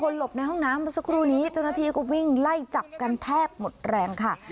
หลบในห้องน้ำเมื่อสักครู่นี้เจ้าหน้าที่ก็วิ่งไล่จับกันแทบหมดแรงค่ะ